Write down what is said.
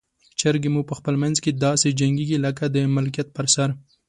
چرګې مو په خپل منځ کې داسې جنګیږي لکه د ملکیت پر سر.